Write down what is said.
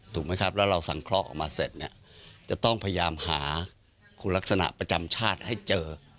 ถูกไหมครับแล้วเราสังเคราะห์ออกมาเสร็จเนี่ยจะต้องพยายามหาคุณลักษณะประจำชาติให้เจอ